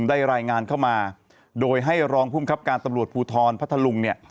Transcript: ได้รายงานเข้ามาโดยให้รองภูมิครับการตำรวจภูทรพัทธลุงเนี่ย